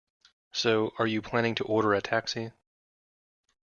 So, are you planning to order a taxi?